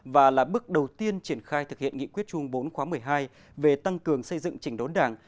và là bước đầu tiên triển khai thực hiện nghị quyết chung bốn khóa một mươi hai về tăng cường xây dựng chỉnh đốn đảng